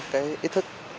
cái ý thức